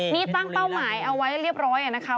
นี่ตั้งเป้าหมายเอาไว้เรียบร้อยนะคะ